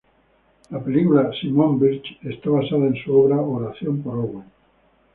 La película "Simon Birch" está basada en su obra "Oración por Owen".